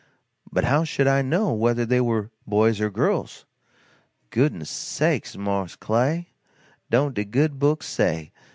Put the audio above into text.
"But how should I know whether they were boys or girls?" "Goodness sakes, mars Clay, don't de Good Book say?